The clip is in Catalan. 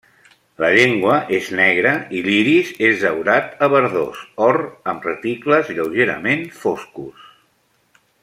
La llengua és negra, i l'iris és daurat a verdós or amb reticles lleugerament foscos.